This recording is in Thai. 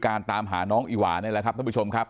การตามหาน้องอิหวานะครับท่านผู้ชมครับ